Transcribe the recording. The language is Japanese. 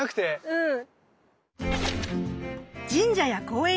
うん。